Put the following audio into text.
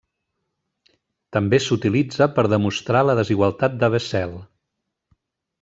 També s'utilitza per demostrar la desigualtat de Bessel.